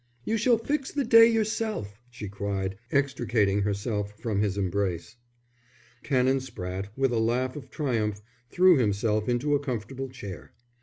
"You shall fix the day yourself," she cried, extricating herself from his embrace. Canon Spratte, with a laugh of triumph, threw himself into a comfortable chair.